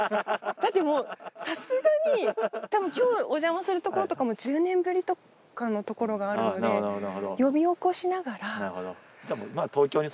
だってもうさすがにたぶん今日おじゃまするところとかも１０年ぶりとかのところがあるので呼び起こしながら。